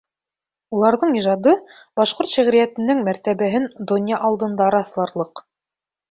Уларҙың ижады — башҡорт шиғриәтенең мәртәбәһен донъя алдында раҫларлыҡ.